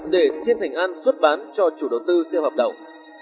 để thiên thành an xuất bán cho chủ đầu tư theo hợp đồng